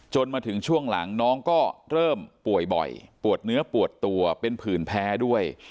มาถึงช่วงหลังน้องก็เริ่มป่วยบ่อยปวดเนื้อปวดตัวเป็นผื่นแพ้ด้วย